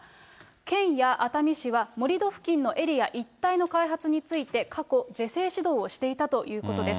県や熱海市は盛り土付近のエリア一帯の開発について、過去、是正指導をしていたということです。